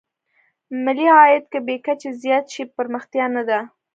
ملي عاید که بې کچې زیات شي پرمختیا نه ده.